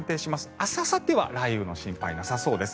明日、あさっては雷雨の心配はなさそうです。